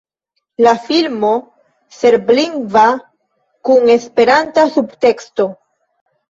La filmo serblingva kun esperanta subteksto.